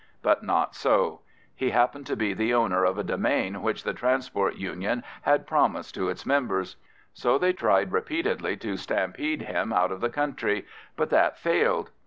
But not so: he happened to be the owner of a demesne which the Transport Union had promised to its members. So they tried repeatedly to stampede him out of the country, but that failed.